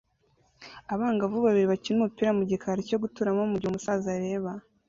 Abangavu babiri bakina umupira mu gikari cyo guturamo mugihe umusaza areba